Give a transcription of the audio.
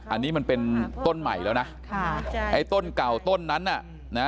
อันนี้มันเป็นต้นใหม่แล้วนะค่ะไอ้ต้นเก่าต้นนั้นน่ะนะ